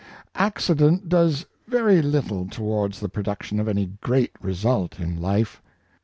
CCIDENT does very little towards the pro duction of any great result in life.